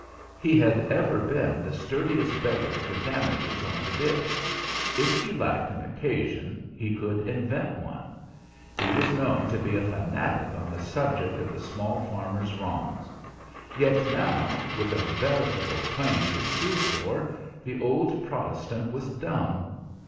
He had ever been the sturdiest beggar for damages on the ditch. If he lacked an occasion he could invent one; he was known to be a fanatic on the subject of the small farmers' wrongs: yet now, with a veritable claim to sue for, the old protestant was dumb.